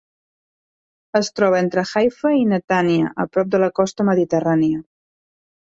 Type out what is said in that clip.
Es troba entre Haifa i Netanya, a prop de la costa mediterrània.